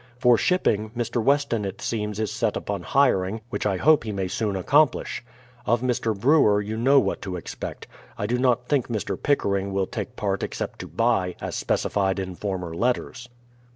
For shipping, Mr. Weston it seems is set upon hiring, which I hope he may soon accomplish. Of Mr. Brewer you know what to expect. I do not think Mr. Pickering will take part except to buy, as specified in former letters.